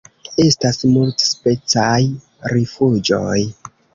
Estas multspecaj rifuĝoj.